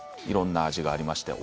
いろんな味があります。